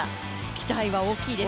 期待は大きいです。